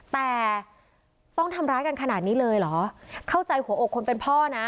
แต่ต้องทำร้ายกันขนาดนี้เลยเหรอเข้าใจหัวอกคนเป็นพ่อนะ